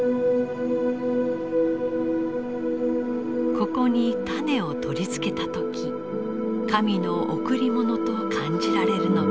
ここに種を取り付けた時神の贈り物と感じられるのか。